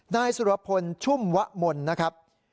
นายสุรพลชุ่มวะมนนะครับ